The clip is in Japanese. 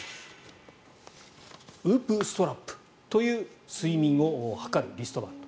ウープストラップという睡眠を測るリストバンド。